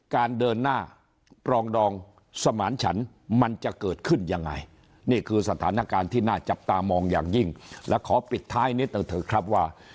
การเดินหน้าปรองดองสมานฉันมันจะเกิดขึ้นยังไงนี่คือสถานการณ์ที่น่าจับตามองอย่างยิ่งและขอปิดท้ายนิดหนึ่งเถอะครับว่า